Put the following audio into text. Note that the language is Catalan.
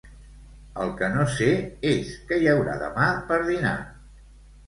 El que no sé és què hi haurà demà per dinar